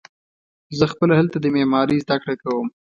زه خپله هلته د معمارۍ زده کړه کوم.